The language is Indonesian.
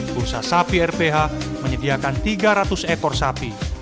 bursa sapi rph menyediakan tiga ratus ekor sapi